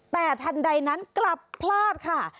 แต่ทันใดนั้นกลับพลาดค่ะ